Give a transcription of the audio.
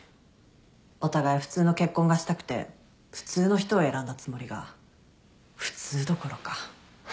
お互い普通の結婚がしたくて普通の人を選んだつもりが普通どころか。